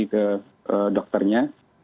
jangan sampai naik tinggi harus segera konsultasi